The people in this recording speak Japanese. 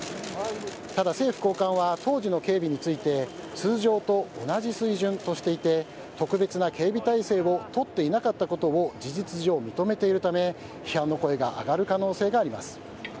ただ、政府高官は当時の警備について通常と同じ水準としていて特別な警備態勢を取っていなかったことを事実上、認めているため批判の声が上がる可能性があります。